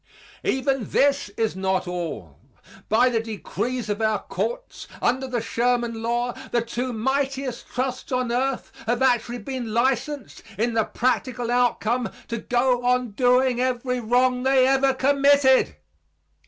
Even this is not all. By the decrees of our courts, under the Sherman law, the two mightiest trusts on earth have actually been licensed, in the practical outcome, to go on doing every wrong they ever committed.